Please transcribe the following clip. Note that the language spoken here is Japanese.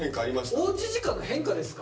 おうち時間の変化ですか？